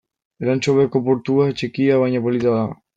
Elantxobeko portua txikia baina polita da.